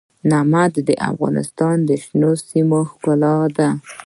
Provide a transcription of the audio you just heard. نمک د افغانستان د شنو سیمو ښکلا ده.